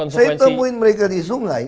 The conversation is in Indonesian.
saya temuin mereka di sungai